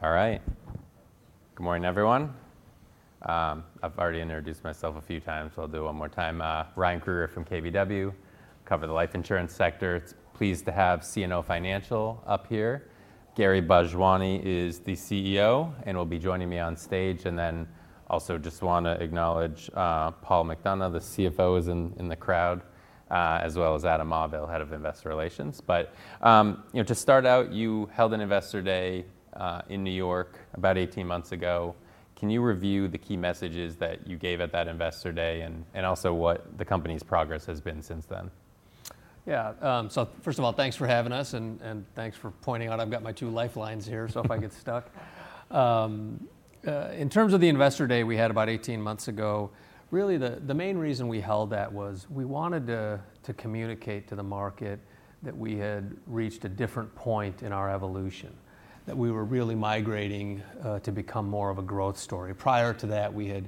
All right. Good morning, everyone. I've already introduced myself a few times, so I'll do it one more time. Ryan Krueger from KBW, cover the life insurance sector. Pleased to have CNO Financial up here. Gary Bhojwani is the CEO and will be joining me on stage, and then also just wanna acknowledge, Paul McDonough, the CFO, is in the crowd, as well as Adam Auvil, Head of Investor Relations. But, you know, to start out, you held an Investor Day in New York about 18 months ago. Can you review the key messages that you gave at that Investor Day, and also what the company's progress has been since then? Yeah. So first of all, thanks for having us, and thanks for pointing out I've got my two lifelines here, so if I get stuck. In terms of the Investor Day we had about 18 months ago, really the main reason we held that was we wanted to communicate to the market that we had reached a different point in our evolution. That we were really migrating to become more of a growth story. Prior to that, we had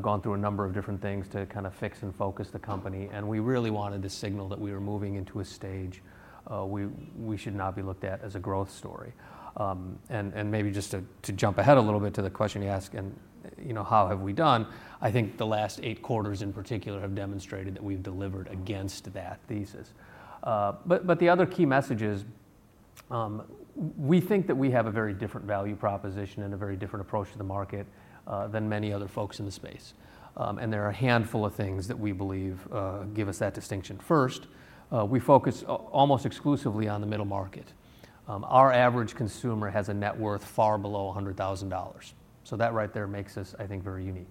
gone through a number of different things to kinda fix and focus the company, and we really wanted to signal that we were moving into a stage we should now be looked at as a growth story, and maybe just to jump ahead a little bit to the question you asked, and you know, how have we done? I think the last eight quarters in particular have demonstrated that we've delivered against that thesis. But, but the other key message is, we think that we have a very different value proposition and a very different approach to the market, than many other folks in the space. And there are a handful of things that we believe, give us that distinction. First, we focus almost exclusively on the middle market. Our average consumer has a net worth far below $100,000, so that right there makes us, I think, very unique.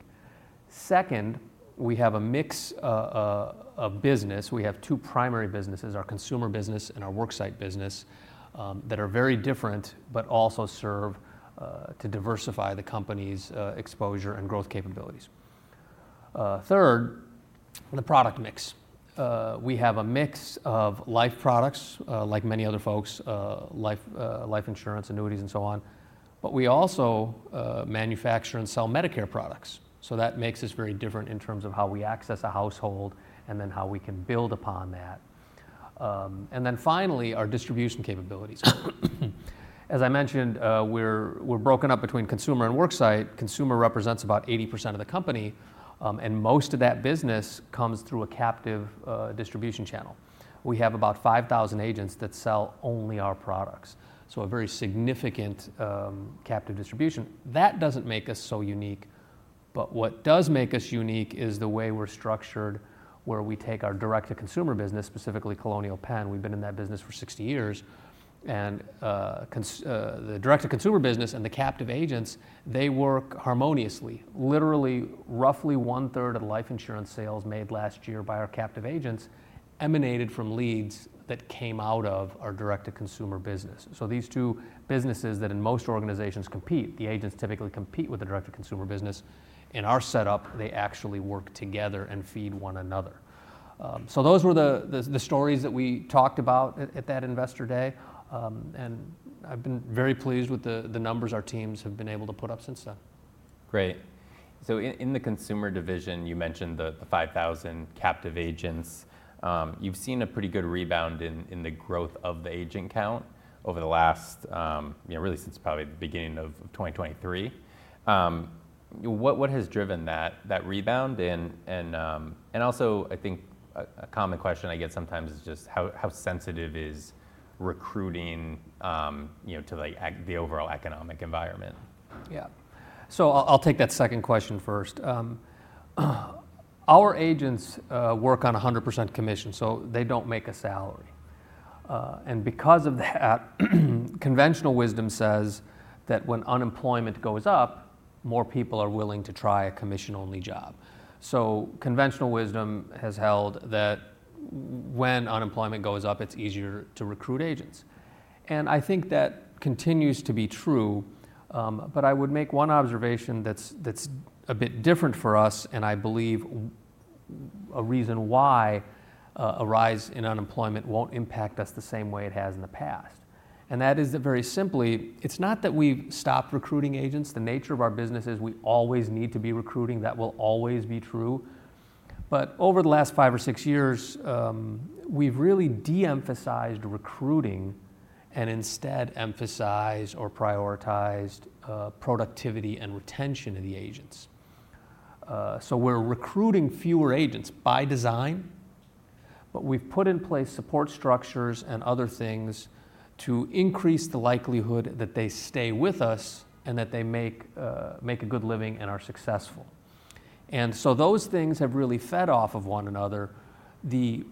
Second, we have a mix, of business. We have two primary businesses, our consumer business and our worksite business, that are very different, but also serve, to diversify the company's, exposure and growth capabilities. Third, the product mix. We have a mix of life products, like many other folks, life insurance, annuities, and so on. But we also manufacture and sell Medicare products, so that makes us very different in terms of how we access a household and then how we can build upon that, and then finally, our distribution capabilities. As I mentioned, we're broken up between consumer and worksite. Consumer represents about 80% of the company, and most of that business comes through a captive distribution channel. We have about 5,000 agents that sell only our products, so a very significant captive distribution. That doesn't make us so unique, but what does make us unique is the way we're structured, where we take our direct-to-consumer business, specifically Colonial Penn, we've been in that business for 60 years, and cons... The direct-to-consumer business and the captive agents, they work harmoniously. Literally, roughly one-third of life insurance sales made last year by our captive agents emanated from leads that came out of our direct-to-consumer business. So these two businesses that in most organizations compete, the agents typically compete with the direct-to-consumer business. In our setup, they actually work together and feed one another. So those were the stories that we talked about at that Investor Day. And I've been very pleased with the numbers our teams have been able to put up since then. Great. So in the consumer division, you mentioned the 5,000 captive agents. You've seen a pretty good rebound in the growth of the agent count over the last, you know, really since probably the beginning of 2023. What has driven that rebound in... And also, I think a common question I get sometimes is just how sensitive is recruiting, you know, to, like, the overall economic environment? Yeah, so I'll, I'll take that second question first. Our agents work on 100% commission, so they don't make a salary, and because of that, conventional wisdom says that when unemployment goes up, more people are willing to try a commission-only job, so conventional wisdom has held that when unemployment goes up, it's easier to recruit agents, and I think that continues to be true, but I would make one observation that's, that's a bit different for us, and I believe a reason why a rise in unemployment won't impact us the same way it has in the past, and that is that, very simply, it's not that we've stopped recruiting agents. The nature of our business is we always need to be recruiting. That will always be true. But over the last five or six years, we've really de-emphasized recruiting and instead emphasized or prioritized productivity and retention of the agents. So we're recruiting fewer agents by design, but we've put in place support structures and other things to increase the likelihood that they stay with us and that they make a good living and are successful. And so those things have really fed off of one another. The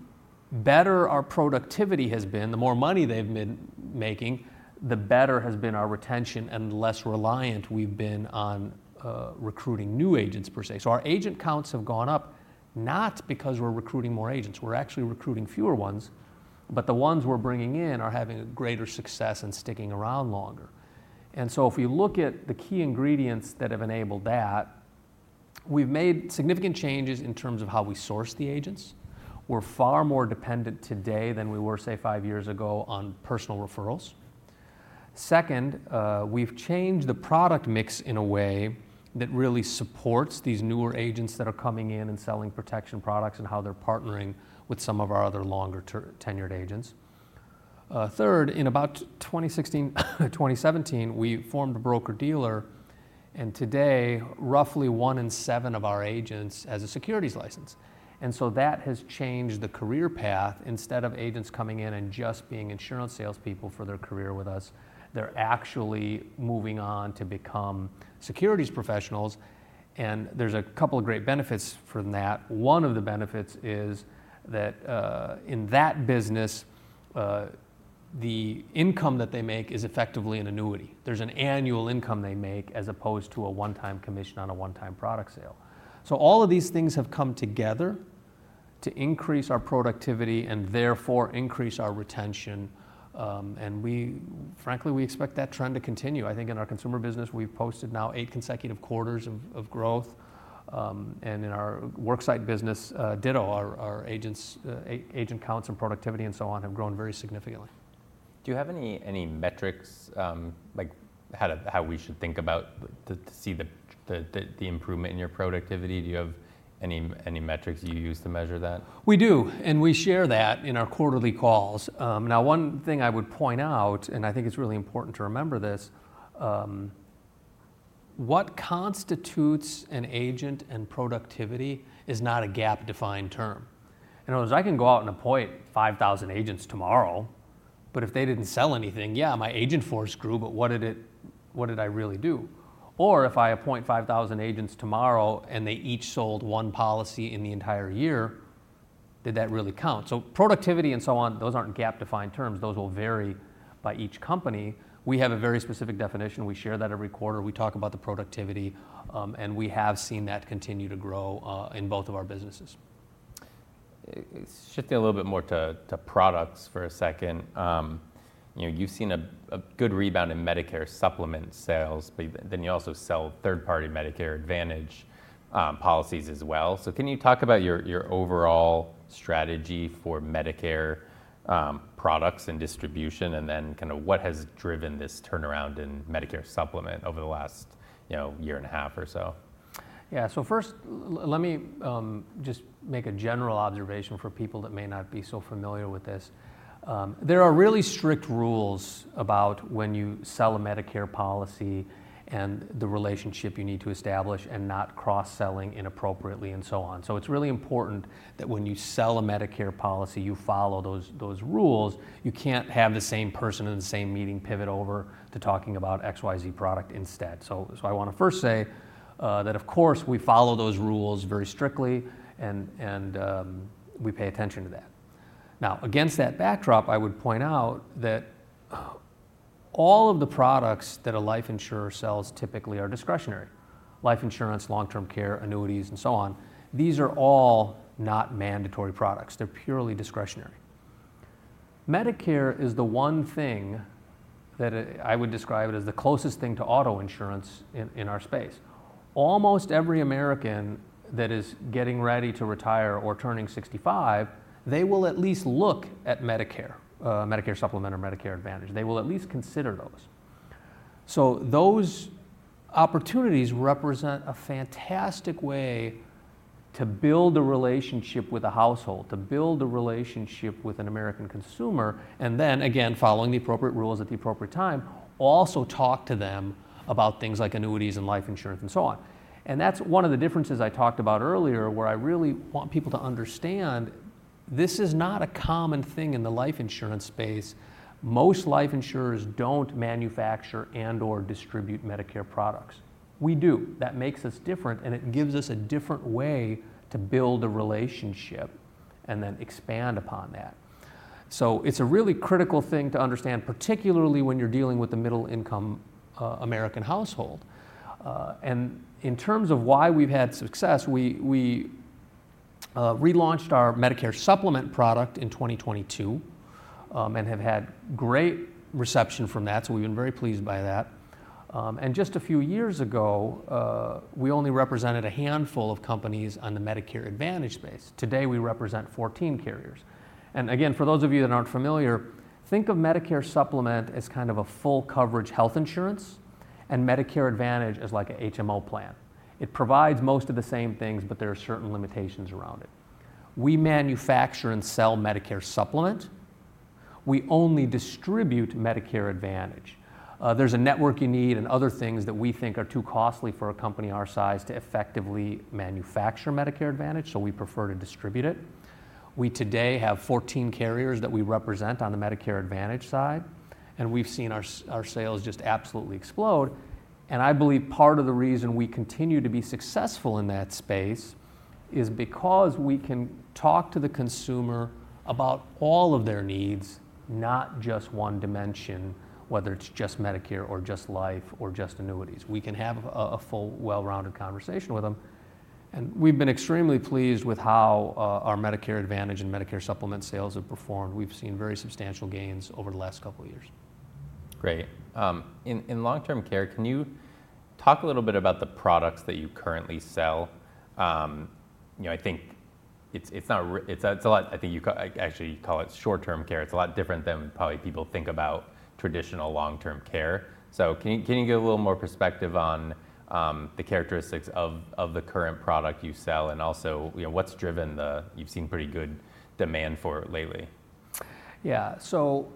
better our productivity has been, the more money they've been making, the better has been our retention and less reliant we've been on recruiting new agents per se. So our agent counts have gone up, not because we're recruiting more agents. We're actually recruiting fewer ones, but the ones we're bringing in are having a greater success and sticking around longer. And so if we look at the key ingredients that have enabled that, we've made significant changes in terms of how we source the agents. We're far more dependent today than we were, say, five years ago, on personal referrals. Second, we've changed the product mix in a way that really supports these newer agents that are coming in and selling protection products, and how they're partnering with some of our other longer-tenured agents. Third, in about 2016-2017, we formed a broker-dealer, and today, roughly one in seven of our agents has a securities license. And so that has changed the career path. Instead of agents coming in and just being insurance salespeople for their career with us, they're actually moving on to become securities professionals, and there's a couple of great benefits from that. One of the benefits is that, in that business, the income that they make is effectively an annuity. There's an annual income they make, as opposed to a one-time commission on a one-time product sale. So all of these things have come together to increase our productivity and therefore, increase our retention, and frankly, we expect that trend to continue. I think in our consumer business, we've posted now eight consecutive quarters of growth, and in our worksite business, ditto, our agents, agent counts and productivity, and so on, have grown very significantly. Do you have any metrics, like how we should think about the to see the improvement in your productivity? Do you have any metrics you use to measure that? We do, and we share that in our quarterly calls. Now, one thing I would point out, and I think it's really important to remember this, what constitutes an agent and productivity is not a GAAP-defined term. In other words, I can go out and appoint 5,000 agents tomorrow, but if they didn't sell anything, yeah, my agent force grew, but what did it - what did I really do? Or if I appoint 5,000 agents tomorrow, and they each sold one policy in the entire year, did that really count? So productivity and so on, those aren't GAAP-defined terms. Those will vary by each company. We have a very specific definition. We share that every quarter. We talk about the productivity, and we have seen that continue to grow in both of our businesses. Shifting a little bit more to products for a second. You know, you've seen a good rebound in Medicare Supplement sales, but then you also sell third-party Medicare Advantage policies as well. So can you talk about your overall strategy for Medicare products and distribution? And then kinda what has driven this turnaround in Medicare Supplement over the last, you know, year and a half or so? Yeah, so first, let me just make a general observation for people that may not be so familiar with this. There are really strict rules about when you sell a Medicare policy and the relationship you need to establish, and not cross-selling inappropriately, and so on. It's really important that when you sell a Medicare policy, you follow those rules. You can't have the same person in the same meeting pivot over to talking about XYZ product instead, so I wanna first say that, of course, we follow those rules very strictly, and we pay attention to that. Now, against that backdrop, I would point out that all of the products that a life insurer sells typically are discretionary: life insurance, long-term care, annuities, and so on. These are all not mandatory products. They're purely discretionary. Medicare is the one thing that I would describe it as the closest thing to auto insurance in our space. Almost every American that is getting ready to retire or turning 65, they will at least look at Medicare, Medicare Supplement or Medicare Advantage. They will at least consider those. So those opportunities represent a fantastic way to build a relationship with a household, to build a relationship with an American consumer, and then again, following the appropriate rules at the appropriate time, also talk to them about things like annuities and life insurance, and so on. And that's one of the differences I talked about earlier, where I really want people to understand this is not a common thing in the life insurance space. Most life insurers don't manufacture and/or distribute Medicare products. We do. That makes us different, and it gives us a different way to build a relationship and then expand upon that. So it's a really critical thing to understand, particularly when you're dealing with the middle-income American household. And in terms of why we've had success, we relaunched our Medicare Supplement product in 2022, and have had great reception from that, so we've been very pleased by that. And just a few years ago, we only represented a handful of companies on the Medicare Advantage space. Today, we represent 14 carriers. And again, for those of you that aren't familiar, think of Medicare Supplement as kind of a full coverage health insurance and Medicare Advantage as like a HMO plan. It provides most of the same things, but there are certain limitations around it. We manufacture and sell Medicare Supplement. We only distribute Medicare Advantage. There's a network you need and other things that we think are too costly for a company our size to effectively manufacture Medicare Advantage, so we prefer to distribute it. We today have 14 carriers that we represent on the Medicare Advantage side, and we've seen our sales just absolutely explode, and I believe part of the reason we continue to be successful in that space is because we can talk to the consumer about all of their needs, not just one dimension, whether it's just Medicare or just life or just annuities. We can have a full well-rounded conversation with them, and we've been extremely pleased with how our Medicare Advantage and Medicare Supplement sales have performed. We've seen very substantial gains over the last couple of years. Great. In long-term care, can you talk a little bit about the products that you currently sell? You know, I think it's not re-- it's a lot, I think you ca- actually, you call it short-term care. It's a lot different than probably people think about traditional long-term care. Can you give a little more perspective on the characteristics of the current product you sell? Also, you know, what's driven the-- you've seen pretty good demand for it lately. Yeah. So,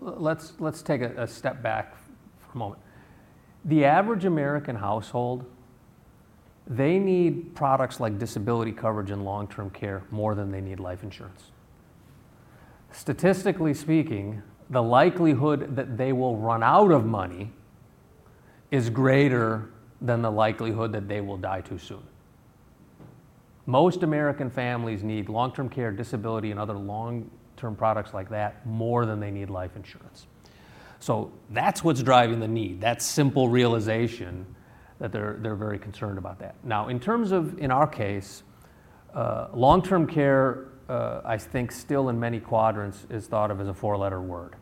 let's take a step back for a moment. The average American household, they need products like disability coverage and long-term care more than they need life insurance. Statistically speaking, the likelihood that they will run out of money is greater than the likelihood that they will die too soon. Most American families need long-term care, disability, and other long-term products like that, more than they need life insurance. So that's what's driving the need, that simple realization that they're very concerned about that. Now, in terms of in our case, long-term care, I think still in many quadrants, is thought of as a four-letter word.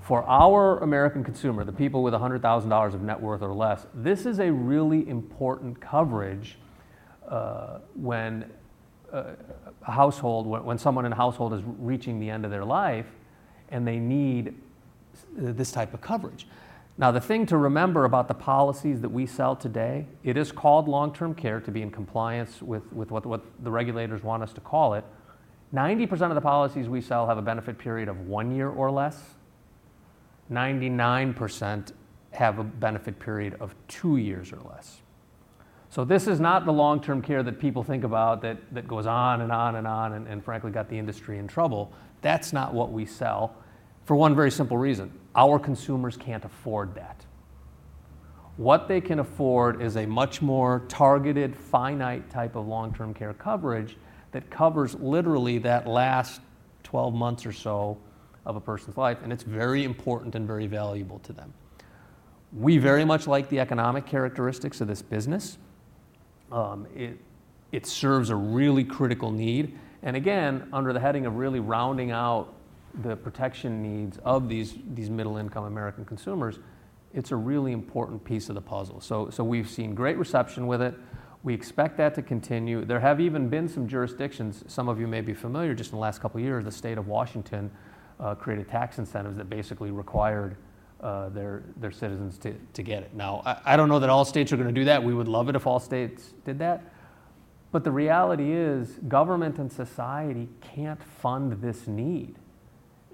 For our American consumer, the people with $100,000 of net worth or less, this is a really important coverage, when someone in a household is reaching the end of their life, and they need this type of coverage. Now, the thing to remember about the policies that we sell today, it is called long-term care to be in compliance with what the regulators want us to call it. 90% of the policies we sell have a benefit period of one year or less. 99% have a benefit period of two years or less. So this is not the long-term care that people think about, that goes on, and on, and on, and frankly, got the industry in trouble. That's not what we sell for one very simple reason, our consumers can't afford that. What they can afford is a much more targeted, finite type of long-term care coverage, that covers literally that last 12 months or so of a person's life, and it's very important and very valuable to them. We very much like the economic characteristics of this business. It serves a really critical need, and again, under the heading of really rounding out the protection needs of these middle-income American consumers, it's a really important piece of the puzzle. So we've seen great reception with it. We expect that to continue. There have even been some jurisdictions, some of you may be familiar, just in the last couple of years, the state of Washington created tax incentives that basically required their citizens to get it. Now, I don't know that all states are gonna do that. We would love it if all states did that, but the reality is: government and society can't fund this need.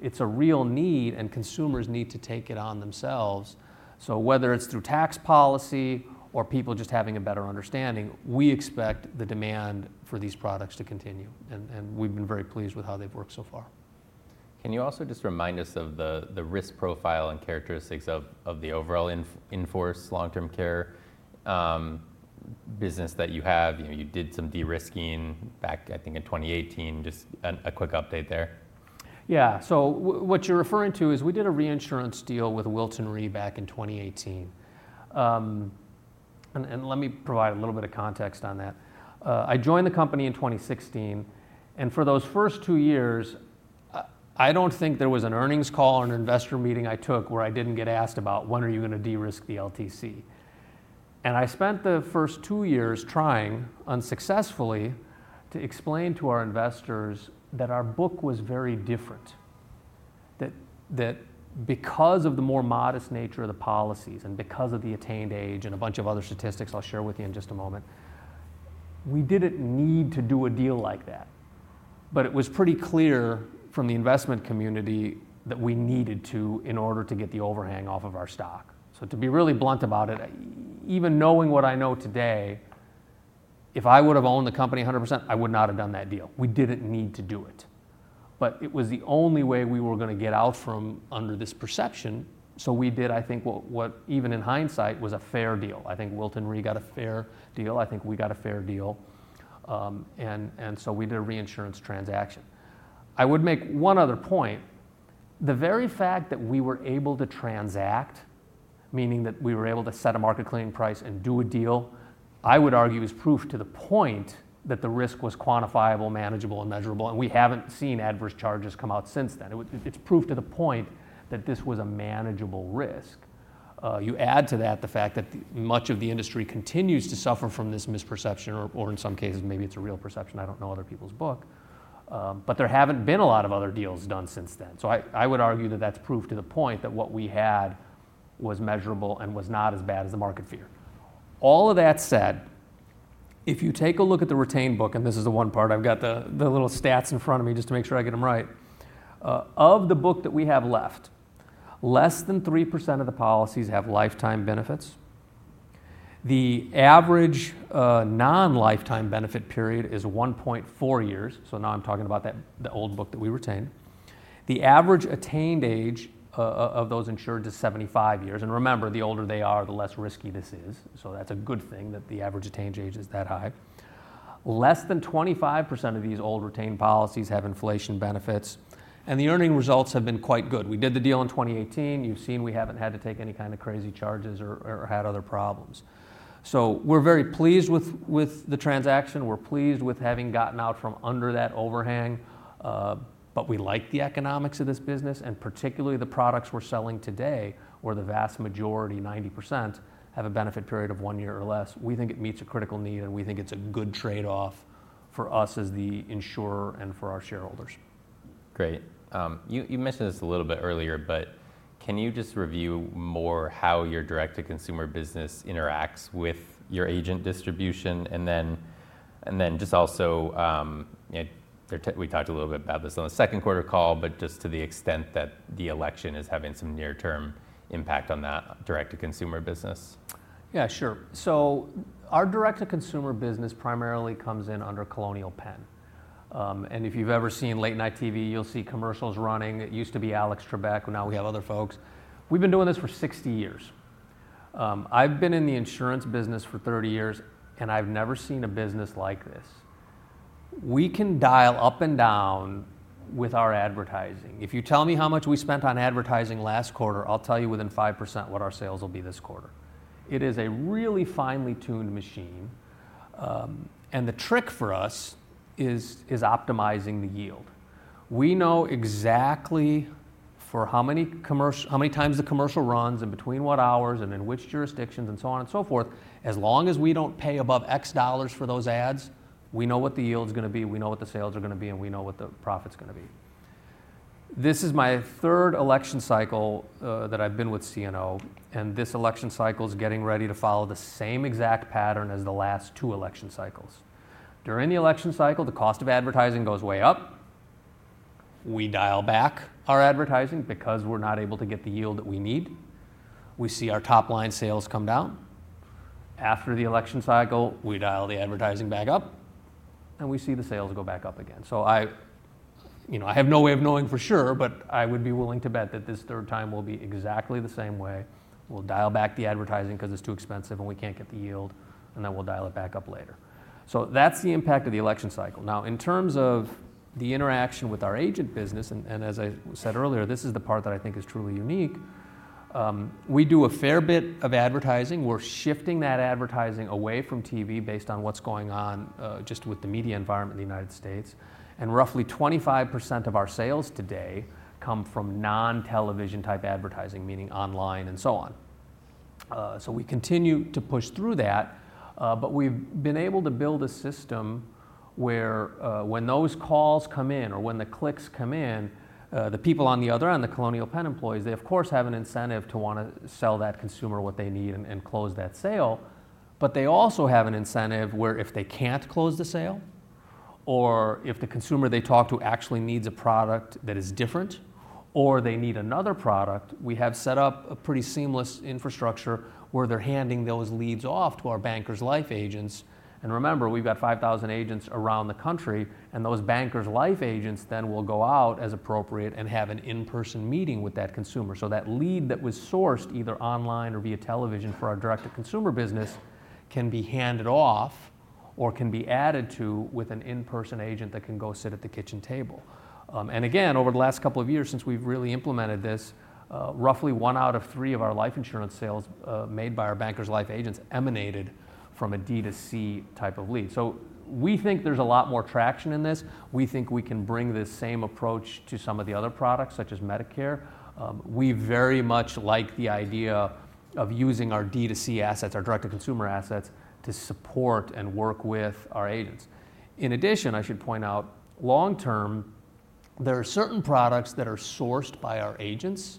It's a real need, and consumers need to take it on themselves. So whether it's through tax policy or people just having a better understanding, we expect the demand for these products to continue, and we've been very pleased with how they've worked so far. Can you also just remind us of the risk profile and characteristics of the overall in-force long-term care business that you have? You know, you did some de-risking back, I think, in 2018. Just a quick update there. Yeah. So what you're referring to is we did a reinsurance deal with Wilton Re back in 2018. And let me provide a little bit of context on that. I joined the company in 2016, and for those first two years, I don't think there was an earnings call or an investor meeting I took, where I didn't get asked about: When are you gonna de-risk the LTC? And I spent the first two years trying unsuccessfully to explain to our investors that our book was very different, that because of the more modest nature of the policies, and because of the attained age, and a bunch of other statistics I'll share with you in just a moment, we didn't need to do a deal like that. But it was pretty clear from the investment community that we needed to in order to get the overhang off of our stock. So to be really blunt about it, even knowing what I know today, if I would have owned the company 100%, I would not have done that deal. We didn't need to do it. But it was the only way we were gonna get out from under this perception, so we did, I think, what even in hindsight, was a fair deal. I think Wilton Re got a fair deal, I think we got a fair deal. And so we did a reinsurance transaction. I would make one other point. The very fact that we were able to transact, meaning that we were able to set a market-clearing price and do a deal, I would argue, is proof to the point that the risk was quantifiable, manageable, and measurable, and we haven't seen adverse charges come out since then. It's proof to the point that this was a manageable risk. You add to that the fact that much of the industry continues to suffer from this misperception or, in some cases, maybe it's a real perception, I don't know other people's book. But there haven't been a lot of other deals done since then. So I would argue that that's proof to the point that what we had was measurable and was not as bad as the market feared. All of that said, if you take a look at the retained book, and this is the one part I've got the little stats in front of me, just to make sure I get them right. Of the book that we have left, less than 3% of the policies have lifetime benefits. The average non-lifetime benefit period is 1.4 years. So now I'm talking about that, the old book that we retained. The average attained age of those insured is 75 years, and remember, the older they are, the less risky this is. So that's a good thing, that the average attained age is that high. Less than 25% of these old retained policies have inflation benefits, and the earnings results have been quite good. We did the deal in 2018. You've seen we haven't had to take any kind of crazy charges or had other problems. So we're very pleased with the transaction, we're pleased with having gotten out from under that overhang, but we like the economics of this business and particularly the products we're selling today, where the vast majority, 90%, have a benefit period of one year or less. We think it meets a critical need, and we think it's a good trade-off for us as the insurer and for our shareholders.... Great. You mentioned this a little bit earlier, but can you just review more how your direct-to-consumer business interacts with your agent distribution? And then just also, you know, we talked a little bit about this on the second quarter call, but just to the extent that the election is having some near-term impact on that direct-to-consumer business. Yeah, sure. So our direct-to-consumer business primarily comes in under Colonial Penn. And if you've ever seen late-night TV, you'll see commercials running. It used to be Alex Trebek; now we have other folks. We've been doing this for 60 years. I've been in the insurance business for 30 years, and I've never seen a business like this. We can dial up and down with our advertising. If you tell me how much we spent on advertising last quarter, I'll tell you within 5% what our sales will be this quarter. It is a really finely tuned machine. And the trick for us is optimizing the yield. We know exactly how many times the commercial runs, and between what hours, and in which jurisdictions, and so on and so forth. As long as we don't pay above X dollars for those ads, we know what the yield is gonna be, we know what the sales are gonna be, and we know what the profit's gonna be. This is my third election cycle that I've been with CNO, and this election cycle is getting ready to follow the same exact pattern as the last two election cycles. During the election cycle, the cost of advertising goes way up. We dial back our advertising because we're not able to get the yield that we need. We see our top-line sales come down. After the election cycle, we dial the advertising back up, and we see the sales go back up again. So I, you know, I have no way of knowing for sure, but I would be willing to bet that this third time will be exactly the same way. We'll dial back the advertising 'cause it's too expensive, and we can't get the yield, and then we'll dial it back up later. So that's the impact of the election cycle. Now, in terms of the interaction with our agent business, and as I said earlier, this is the part that I think is truly unique. We do a fair bit of advertising. We're shifting that advertising away from TV based on what's going on, just with the media environment in the United States, and roughly 25% of our sales today come from non-television type advertising, meaning online and so on. So we continue to push through that, but we've been able to build a system where, when those calls come in or when the clicks come in, the people on the other end, the Colonial Penn employees, they of course have an incentive to wanna sell that consumer what they need and close that sale. But they also have an incentive where if they can't close the sale, or if the consumer they talk to actually needs a product that is different, or they need another product, we have set up a pretty seamless infrastructure where they're handing those leads off to our Bankers Life agents. And remember, we've got 5,000 agents around the country, and those Bankers Life agents then will go out as appropriate and have an in-person meeting with that consumer. So that lead that was sourced either online or via television for our direct-to-consumer business, can be handed off or can be added to, with an in-person agent that can go sit at the kitchen table. And again, over the last couple of years since we've really implemented this, roughly one out of three of our life insurance sales, made by our Bankers Life agents, emanated from a D2C type of lead. So we think there's a lot more traction in this. We think we can bring the same approach to some of the other products, such as Medicare. We very much like the idea of using our D2C assets, our direct-to-consumer assets, to support and work with our agents. In addition, I should point out long term, there are certain products that are sourced by our agents,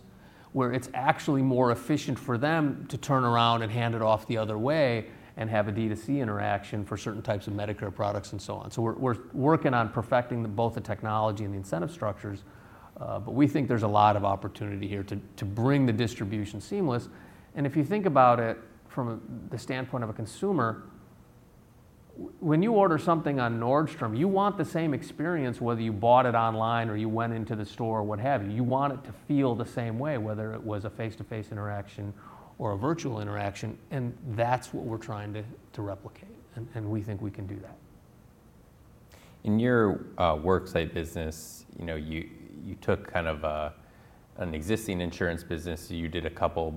where it's actually more efficient for them to turn around and hand it off the other way and have a D2C interaction for certain types of Medicare products, and so on. So we're working on perfecting both the technology and the incentive structures, but we think there's a lot of opportunity here to bring the distribution seamless. And if you think about it from the standpoint of a consumer, when you order something on Nordstrom, you want the same experience, whether you bought it online or you went into the store, or what have you. You want it to feel the same way, whether it was a face-to-face interaction or a virtual interaction, and that's what we're trying to replicate, and we think we can do that. In your worksite business, you know, you took kind of an existing insurance business, you did a couple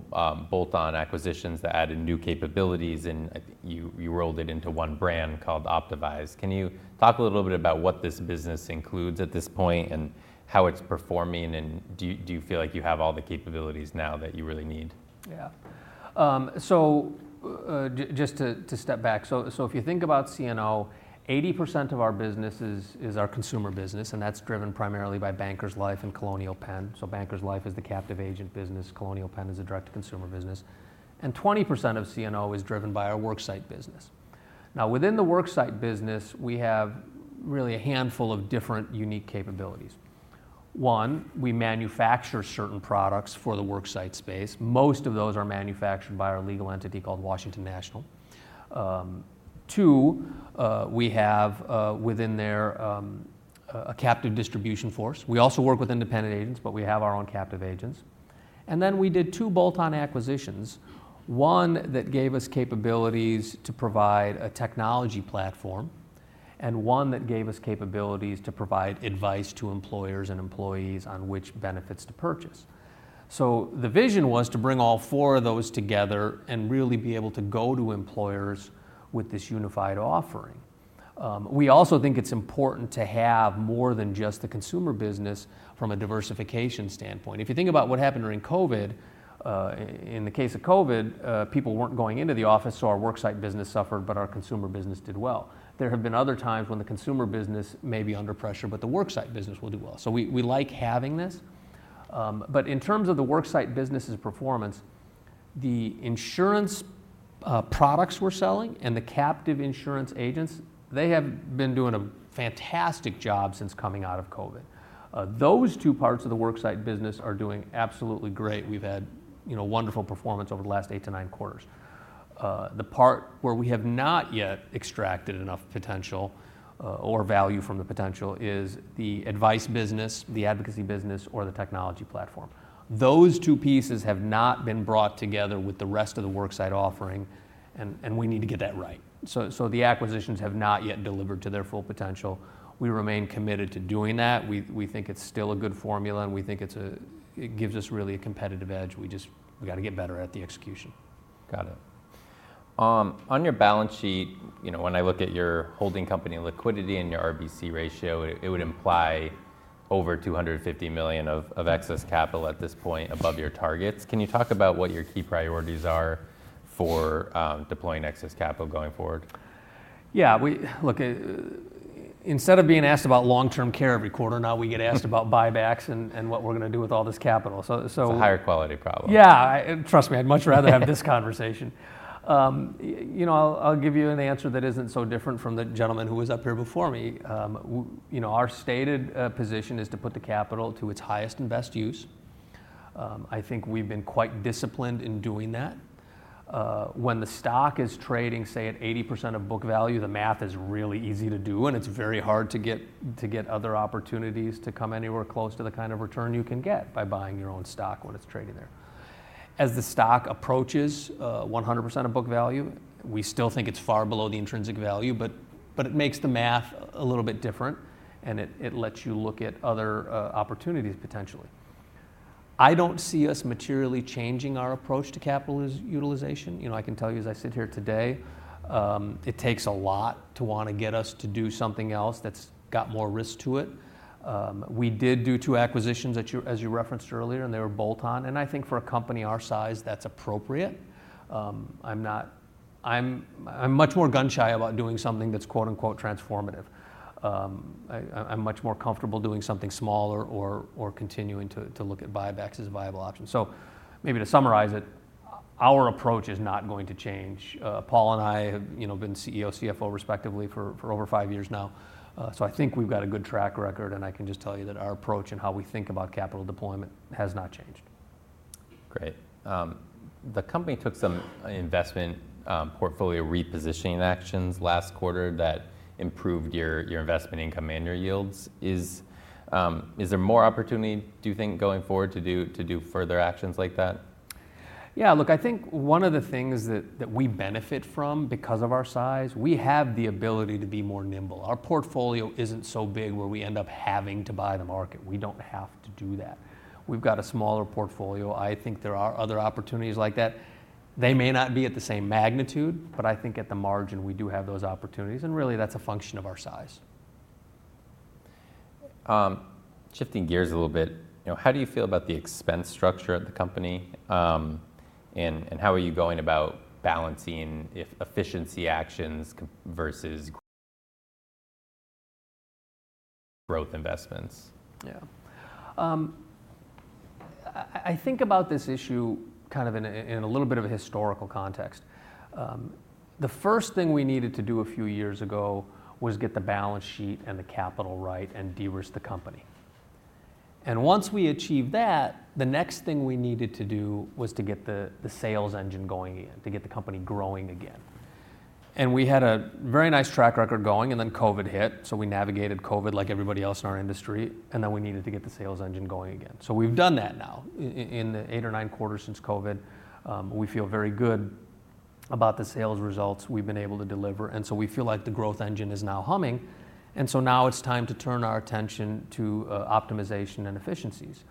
bolt-on acquisitions that added new capabilities, and I think you rolled it into one brand called Optavise. Can you talk a little bit about what this business includes at this point and how it's performing, and do you feel like you have all the capabilities now that you really need? Yeah. So just to step back, so if you think about CNO, 80% of our business is our consumer business, and that's driven primarily by Bankers Life and Colonial Penn. So Bankers Life is the captive agent business, Colonial Penn is a direct-to-consumer business, and 20% of CNO is driven by our worksite business. Now, within the worksite business, we have really a handful of different unique capabilities. One, we manufacture certain products for the worksite space. Most of those are manufactured by our legal entity called Washington National. Two, we have within there a captive distribution force. We also work with independent agents, but we have our own captive agents. And then we did two bolt-on acquisitions: one that gave us capabilities to provide a technology platform, and one that gave us capabilities to provide advice to employers and employees on which benefits to purchase. So the vision was to bring all four of those together and really be able to go to employers with this unified offering. We also think it's important to have more than just the consumer business from a diversification standpoint. If you think about what happened during COVID, in the case of COVID, people weren't going into the office, so our worksite business suffered, but our consumer business did well. There have been other times when the consumer business may be under pressure, but the worksite business will do well. So we like having this. But in terms of the worksite business's performance, the insurance products we're selling and the captive insurance agents, they have been doing a fantastic job since coming out of COVID. Those two parts of the worksite business are doing absolutely great. We've had, you know, wonderful performance over the last 8-9 quarters. The part where we have not yet extracted enough potential or value from the potential is the advice business, the advocacy business, or the technology platform. Those two pieces have not been brought together with the rest of the worksite offering, and we need to get that right. So the acquisitions have not yet delivered to their full potential. We remain committed to doing that. We think it's still a good formula, and we think it gives us really a competitive edge. We just, we gotta get better at the execution. Got it. On your balance sheet, you know, when I look at your holding company liquidity and your RBC ratio, it would imply over $250 million of excess capital at this point above your targets. Can you talk about what your key priorities are for deploying excess capital going forward? Yeah, we look, instead of being asked about long-term care every quarter, now we get asked about buybacks and what we're gonna do with all this capital. So, It's a higher quality problem. Yeah, trust me, I'd much rather have this conversation. You know, I'll give you an answer that isn't so different from the gentleman who was up here before me. You know, our stated position is to put the capital to its highest and best use. I think we've been quite disciplined in doing that. When the stock is trading, say, at 80% of book value, the math is really easy to do, and it's very hard to get other opportunities to come anywhere close to the kind of return you can get by buying your own stock when it's trading there. As the stock approaches 100% of book value, we still think it's far below the intrinsic value, but it makes the math a little bit different, and it lets you look at other opportunities, potentially. I don't see us materially changing our approach to capital utilization. You know, I can tell you as I sit here today, it takes a lot to wanna get us to do something else that's got more risk to it. We did do two acquisitions that you as you referenced earlier, and they were bolt-on, and I think for a company our size, that's appropriate. I'm not. I'm much more gun-shy about doing something that's, quote, unquote, "transformative." I'm much more comfortable doing something smaller or continuing to look at buybacks as a viable option. So maybe to summarize it, our approach is not going to change. Paul and I have, you know, been CEO, CFO, respectively for over five years now. So I think we've got a good track record, and I can just tell you that our approach and how we think about capital deployment has not changed. Great. The company took some investment portfolio repositioning actions last quarter that improved your investment income and your yields. Is there more opportunity, do you think, going forward, to do further actions like that? Yeah, look, I think one of the things that, that we benefit from because of our size, we have the ability to be more nimble. Our portfolio isn't so big where we end up having to buy the market. We don't have to do that. We've got a smaller portfolio. I think there are other opportunities like that. They may not be at the same magnitude, but I think at the margin, we do have those opportunities, and really that's a function of our size. Shifting gears a little bit, you know, how do you feel about the expense structure of the company? And how are you going about balancing efficiency actions versus growth investments? Yeah. I think about this issue kind of in a little bit of a historical context. The first thing we needed to do a few years ago was get the balance sheet and the capital right and de-risk the company. And once we achieved that, the next thing we needed to do was to get the sales engine going again, to get the company growing again. And we had a very nice track record going, and then COVID hit, so we navigated COVID like everybody else in our industry, and then we needed to get the sales engine going again. So we've done that now. In the eight or nine quarters since COVID, we feel very good about the sales results we've been able to deliver, and so we feel like the growth engine is now humming, and so now it's time to turn our attention to optimization and efficiencies.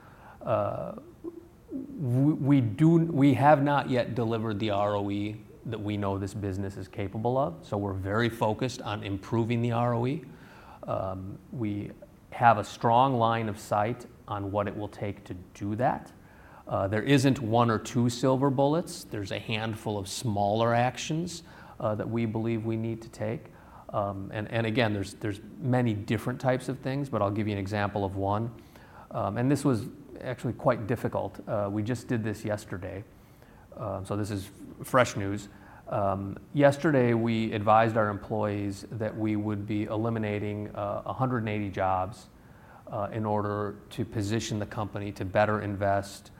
We have not yet delivered the ROE that we know this business is capable of, so we're very focused on improving the ROE. We have a strong line of sight on what it will take to do that. There isn't one or two silver bullets, there's a handful of smaller actions that we believe we need to take, and again, there's many different types of things, but I'll give you an example of one, and this was actually quite difficult. We just did this yesterday, so this is fresh news. Yesterday, we advised our employees that we would be eliminating a 180 jobs in order to position the company to better invest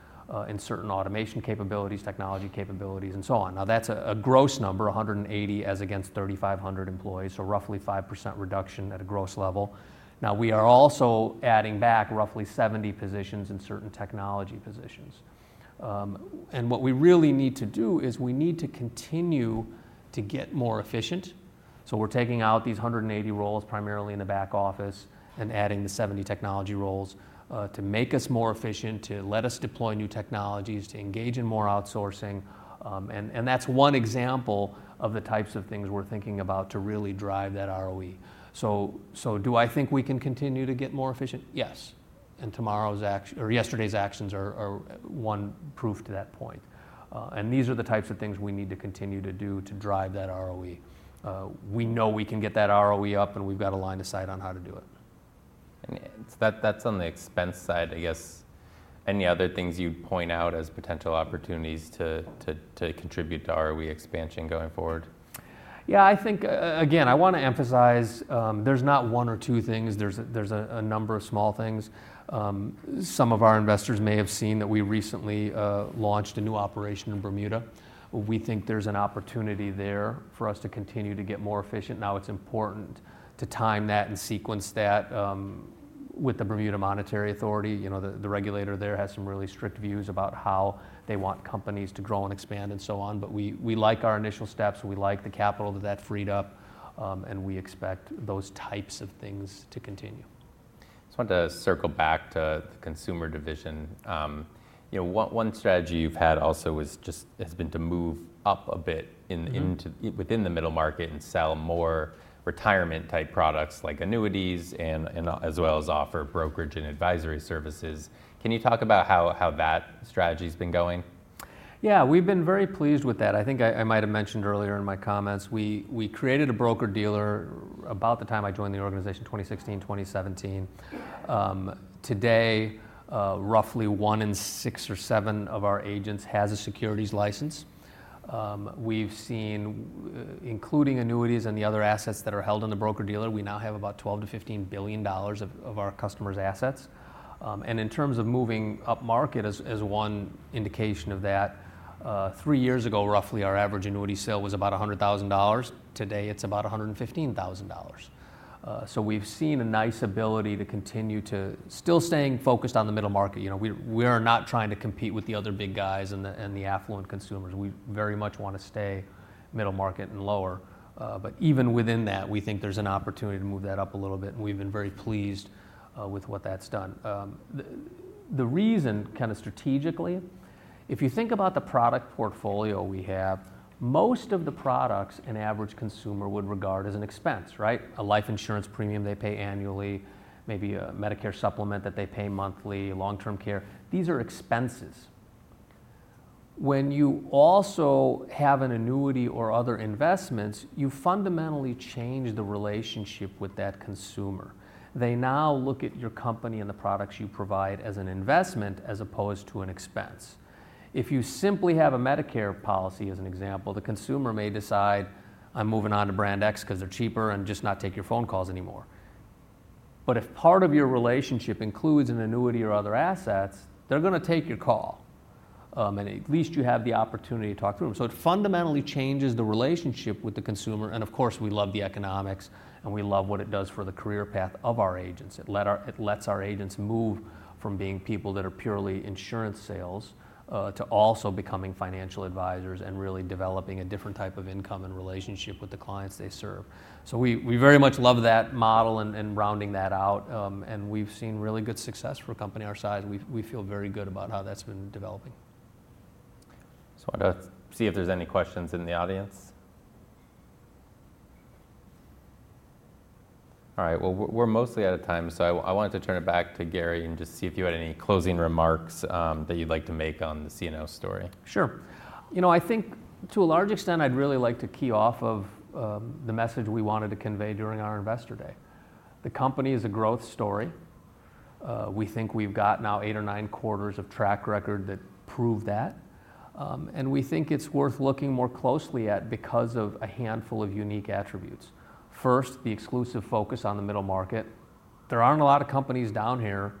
in certain automation capabilities, technology capabilities, and so on. Now, that's a gross number, a 180 as against 3,500 employees, so roughly 5% reduction at a gross level. Now, we are also adding back roughly seventy positions in certain technology positions, and what we really need to do is we need to continue to get more efficient, so we're taking out these 180 roles, primarily in the back office, and adding the 70 technology roles to make us more efficient, to let us deploy new technologies, to engage in more outsourcing. That's one example of the types of things we're thinking about to really drive that ROE. So do I think we can continue to get more efficient? Yes, and yesterday's actions are one proof to that point. These are the types of things we need to continue to do to drive that ROE. We know we can get that ROE up, and we've got a line of sight on how to do it. And it's that that's on the expense side, I guess. Any other things you'd point out as potential opportunities to contribute to ROE expansion going forward? Yeah, I think, again, I wanna emphasize, there's not one or two things, there's a number of small things. Some of our investors may have seen that we recently launched a new operation in Bermuda. We think there's an opportunity there for us to continue to get more efficient. Now, it's important to time that and sequence that with the Bermuda Monetary Authority. You know, the regulator there has some really strict views about how they want companies to grow and expand, and so on. But we like our initial steps, we like the capital that that freed up, and we expect those types of things to continue. I just want to circle back to the consumer division. You know, one strategy you've had also has been to move up a bit in- Mm-hmm ...into within the middle market and sell more retirement type products like annuities, and as well as offer brokerage and advisory services. Can you talk about how that strategy's been going? Yeah, we've been very pleased with that. I think I might have mentioned earlier in my comments, we created a broker-dealer about the time I joined the organization, 2016, 2017. Today, roughly one in six or seven of our agents has a securities license. We've seen, including annuities and the other assets that are held on the broker-dealer, we now have about $12 billion-$15 billion of our customers' assets, and in terms of moving upmarket, as one indication of that, three years ago, roughly our average annuity sale was about $100,000. Today, it's about $115,000. So we've seen a nice ability to continue to still staying focused on the middle market. You know, we are not trying to compete with the other big guys and the affluent consumers. We very much wanna stay middle market and lower, but even within that, we think there's an opportunity to move that up a little bit, and we've been very pleased with what that's done. The reason, kinda strategically, if you think about the product portfolio we have, most of the products an average consumer would regard as an expense, right? A life insurance premium they pay annually, maybe a Medicare supplement that they pay monthly, long-term care. These are expenses. When you also have an annuity or other investments, you fundamentally change the relationship with that consumer. They now look at your company and the products you provide as an investment, as opposed to an expense. If you simply have a Medicare policy, as an example, the consumer may decide, "I'm moving on to brand X 'cause they're cheaper," and just not take your phone calls anymore. But if part of your relationship includes an annuity or other assets, they're gonna take your call, and at least you have the opportunity to talk through them. So it fundamentally changes the relationship with the consumer, and of course, we love the economics, and we love what it does for the career path of our agents. It lets our agents move from being people that are purely insurance sales, to also becoming financial advisors and really developing a different type of income and relationship with the clients they serve. So we very much love that model and rounding that out. And we've seen really good success for a company our size, and we feel very good about how that's been developing. I'll see if there's any questions in the audience. All right, well, we're mostly out of time, so I wanted to turn it back to Gary and just see if you had any closing remarks that you'd like to make on the CNO story. Sure. You know, I think to a large extent, I'd really like to key off of the message we wanted to convey during our Investor Day. The company is a growth story. We think we've got now eight or nine quarters of track record that prove that, and we think it's worth looking more closely at because of a handful of unique attributes. First, the exclusive focus on the middle market. There aren't a lot of companies down here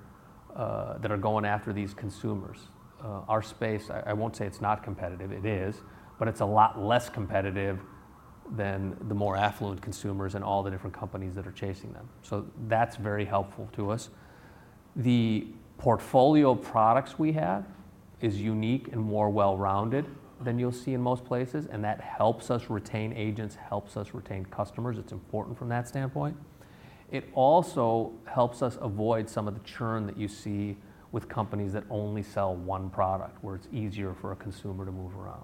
that are going after these consumers. Our space, I won't say it's not competitive, it is, but it's a lot less competitive than the more affluent consumers and all the different companies that are chasing them. So that's very helpful to us. The portfolio of products we have is unique and more well-rounded than you'll see in most places, and that helps us retain agents, helps us retain customers. It's important from that standpoint. It also helps us avoid some of the churn that you see with companies that only sell one product, where it's easier for a consumer to move around.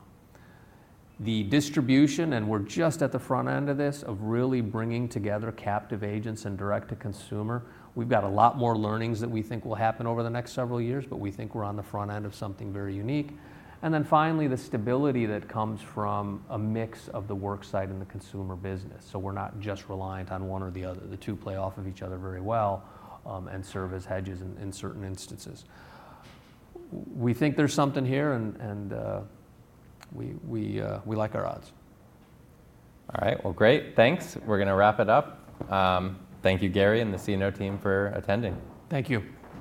The distribution, and we're just at the front end of this, of really bringing together captive agents and direct to consumer. We've got a lot more learnings that we think will happen over the next several years, but we think we're on the front end of something very unique. And then finally, the stability that comes from a mix of the work side and the consumer business, so we're not just reliant on one or the other. The two play off of each other very well, and serve as hedges in certain instances. We think there's something here, and we like our odds. All right. Well, great. Thanks. We're gonna wrap it up. Thank you, Gary, and the CNO team for attending. Thank you.